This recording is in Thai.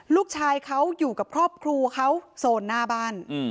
ลูกชายเขาอยู่กับครอบครัวเขาโซนหน้าบ้าน